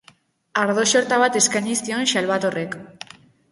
Ardo xorta bat eskaini zion Salvatorek.